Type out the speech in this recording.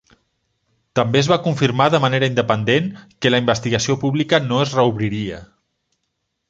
També es va confirmar de manera independent que la investigació pública no es reobriria.